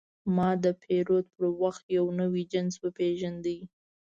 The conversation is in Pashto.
ما د پیرود پر وخت یو نوی جنس وپېژاند.